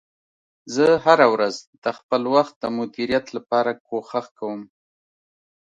زه هره ورځ د خپل وخت د مدیریت لپاره کوښښ کوم